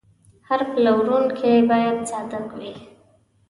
هر پلورونکی باید صادق وي.